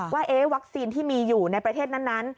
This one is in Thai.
ว่าวัคซีนที่มีอยู่ในประเทศนั้น